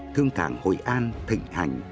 thương cảng hội an thịnh hành